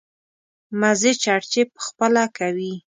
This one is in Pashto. مزې چړچې په خپله کوي.